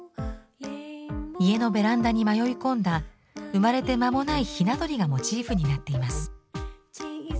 家のベランダに迷い込んだ生まれて間もないひな鳥がモチーフになっています。